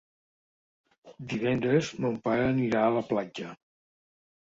Divendres mon pare anirà a la platja.